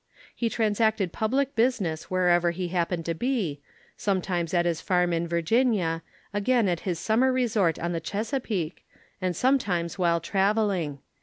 He transacted public business wherever he happened to be, sometimes at his farm in Virginia, again at his summer resort on the Chesapeake, and sometimes while traveling.